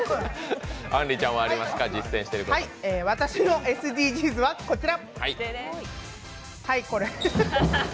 私のＳＤＧｓはこちら！